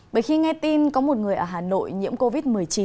bởi khi nghe tin có một người ở hà nội nhiễm covid một mươi chín